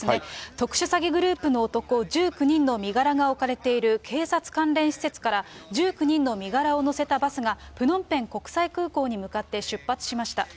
特殊詐欺グループの男１９人の身柄が置かれている警察関連施設から、１９人の身柄を乗せたバスが、プノンペン国際空港に向かって出発しました。